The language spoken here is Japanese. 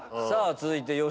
さあ続いて